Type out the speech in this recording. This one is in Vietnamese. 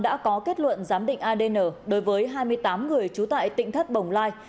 đã có kết luận giám định adn đối với hai mươi tám người trú tại tỉnh thất bồng lai